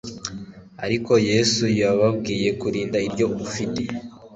Ariko Yesu yababwiye kwirinda iryo futi.